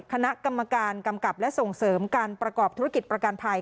คณะกรรมการกำกับและส่งเสริมการประกอบธุรกิจประกันภัย